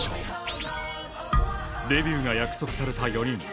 デビューが約束された４人。